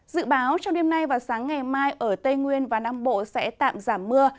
dự báo trong đêm nay và sáng ngày mai ở tây nguyên và nam bộ sẽ tạm giảm mưa